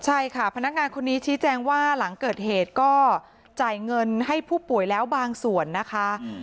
ใช่ค่ะพนักงานคนนี้ชี้แจงว่าหลังเกิดเหตุก็จ่ายเงินให้ผู้ป่วยแล้วบางส่วนนะคะ